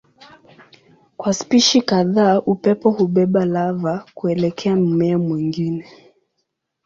Kwa spishi kadhaa upepo hubeba lava kuelekea mmea mwingine.